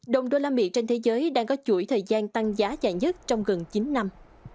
đồng đô la mỹ trên thế giới đang có chuỗi thời gian tăng giá dài nhất trong gần chín năm